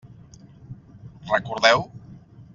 Recordeu?